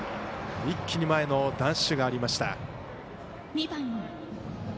一気に前へのダッシュがありました。